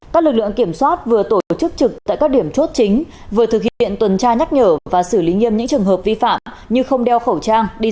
các lực lượng kiểm soát vừa tổ chức trực tại các điểm chốt chính vừa thực hiện tuần tra nhắc nhở và xử lý nghiêm những trường hợp vi phạm như không đeo khẩu trang đi ra khỏi nhà